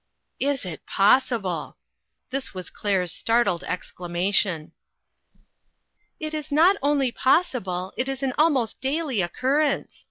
" Is it possible !" This was Claire's start led exclamation. "It is not only possible, but is an almost daily occurrence.